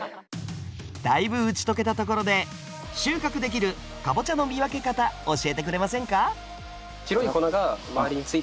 だいぶ打ち解けたところで収穫できるカボチャの見分け方教えてくれませんか？